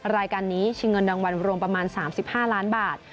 รายการนี้ชิงเงินรางวัลรวมประมาณ๓๕ล้านบาท